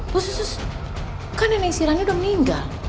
bukasus kan nenek siranya udah meninggal